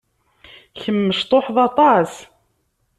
Kemm mecṭuḥed aṭas.